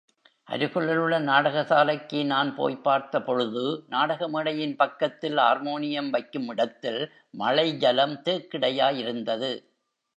அருகிலுள்ள நாடக சாலைக்கு நான் போய்ப் பார்த்தபொழுது, நாடகமேடையின் பக்கத்தில் ஆர்மோனியம் வைக்கும் இடத்தில் மழை ஜலம் தேக்கிடையாயிருந்தது.